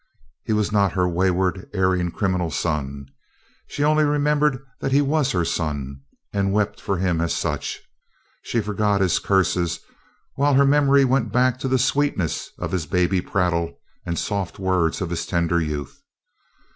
He was not her wayward, erring, criminal son. She only remembered that he was her son, and wept for him as such. She forgot his curses, while her memory went back to the sweetness of his baby prattle and the soft words of his tenderer youth.